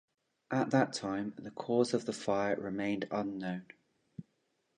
At that time, the cause of the fire remained unknown.